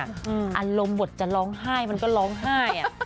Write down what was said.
อารมณ์บทจะร้องไห้มันก็ร้องไห้